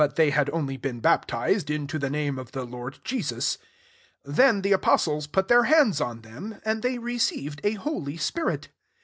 (but hey had only been baptized Dto the name of the Lord Je ns.) 17 Then the afioatlea put heir hands on them, and they eceived a holy spirit.